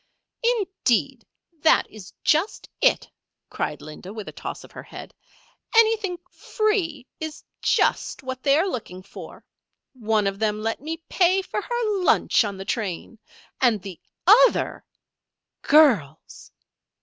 "Indeed, that is just it!" cried Linda, with a toss of her head. "Anything free is just what they are looking for. One of them let me pay for her lunch on the train. And the other " "Girls!"